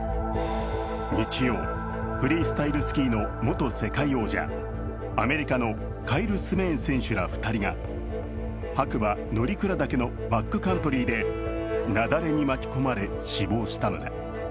日曜、フリースタイルスキーの元世界王者、アメリカのカイル・スメーン選手ら２人が、白馬乗鞍岳のバックカントリーで雪崩に巻き込まれ、死亡したのだ。